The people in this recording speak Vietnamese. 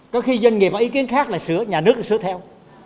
có khi doanh nghiệp có ý kiến khác là sửa nhà nước sửa theo